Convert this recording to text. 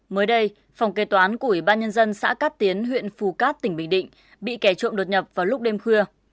mới đây phòng kế toán của ủy ban nhân dân xã cát tiến huyện phù cát tỉnh bình định bị kẻ trộm đột nhập vào lúc đêm khuya